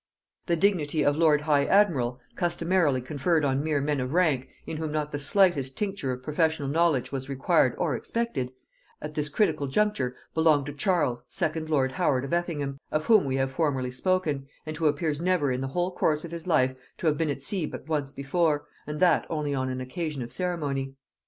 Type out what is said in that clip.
The dignity of lord high admiral, customarily conferred on mere men of rank, in whom not the slightest tincture of professional knowledge was required or expected, at this critical juncture belonged to Charles second lord Howard of Effingham, of whom we have formerly spoken, and who appears never in the whole course of his life to have been at sea but once before, and that only on an occasion of ceremony.